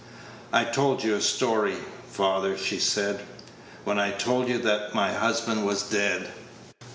"I told you a story, father," she said, "when I told you that my husband was dead.